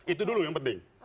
itu dulu yang penting